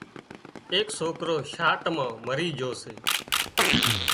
ايڪ سوڪرو ڇاٽ مان مري جھو سي